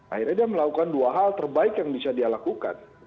akhirnya dia melakukan dua hal terbaik yang bisa dia lakukan